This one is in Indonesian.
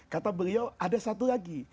kata beliau ada satu lagi